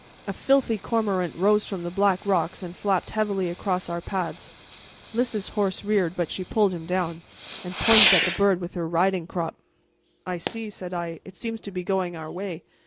A filthy cormorant rose from the black rocks and flapped heavily across our path. Lys's horse reared, but she pulled him down, and pointed at the bird with her riding crop. "I see," said I; "it seems to be going our way.